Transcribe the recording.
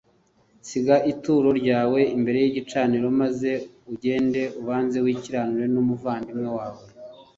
siga ituro ryawe imbere y igicaniro maze ugende ubanze wikiranure n umuvandimwe wawe